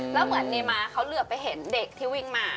แล้วเหมือนในม้าเขาเหลือไปเห็นเด็กที่วิ่งมา